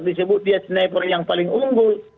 disebut dia sniper yang paling unggul